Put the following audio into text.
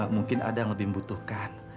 mungkin ada yang lebih membutuhkan